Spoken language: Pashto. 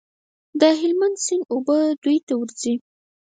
د هلمند سیند اوبه دوی ته ورځي.